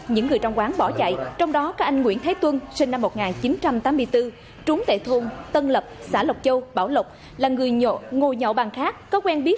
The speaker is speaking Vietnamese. những người trong quán bỏ chạy trong đó có anh nguyễn thế tuân sinh năm một nghìn chín trăm tám mươi bốn trú tại thôn tân lập xã lộc châu bảo lộc là người nhộn ngồi nhậu bằng khác có quen biết